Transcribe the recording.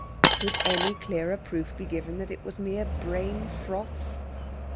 Could any clearer proof be given that it was mere brain froth?